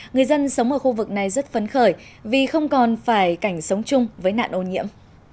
người dân sống ở khu vực này rất phấn khởi vì không còn phải cảnh sống chung với nạn ô nhiễm